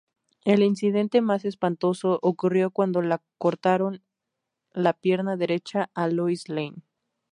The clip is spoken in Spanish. El incidente más espantoso ocurrió cuando la cortaron la pierna derecha a Lois Lane.